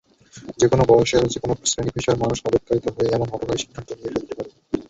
যেকোনো বয়সের, যেকোনো শ্রেণি-পেশার মানুষ আবেগতাড়িত হয়ে এমন হঠকারী সিদ্ধান্ত নিয়ে ফেলতে পারে।